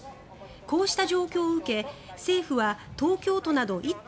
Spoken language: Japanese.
こうした状況を受け政府は東京都など１都